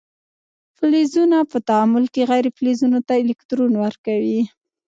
فلزونه په تعامل کې غیر فلزونو ته الکترون ورکوي.